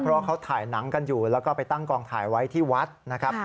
เพราะเขาถ่ายหนังกันอยู่แล้วก็ไปตั้งกองถ่ายไว้ที่วัดนะครับ